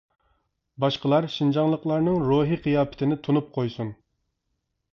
باشقىلار شىنجاڭلىقلارنىڭ روھى قىياپىتىنى تونۇپ قويسۇن.